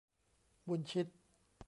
บุญชิต